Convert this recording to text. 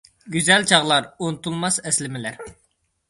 گۈزەل چاغلار، ئۇنتۇلماس ئەسلىمىلەر!